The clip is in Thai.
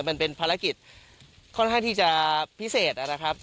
มันเป็นภารกิจค่อนข้างที่จะพิเศษนะครับ